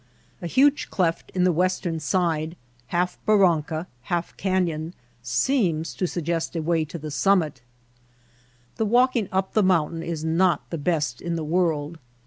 A huge cleft in the western side — half barranca half canyon — seems to suggest a way to the summit. The walking up the mountain is not the best in the world.